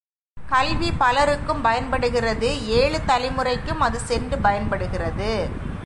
கல்வி பலருக்கும் பயன்படுகிறது ஏழு தலைமுறைக்கும் அது சென்று பயன்படுகிறது.